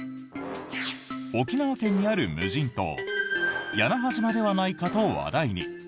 沖縄県にある無人島屋那覇島ではないかと話題に。